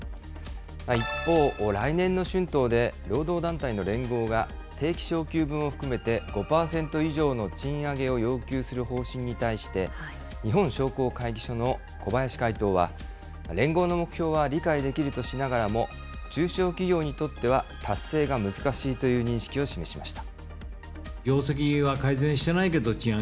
一方、来年の春闘で労働団体の連合が、定期昇給分を含めて５％以上の賃上げを要求する方針に対して、日本商工会議所の小林会頭は、連合の目標は理解できるとしながらも、中小企業にとっては達成が難しいという認識を示しました。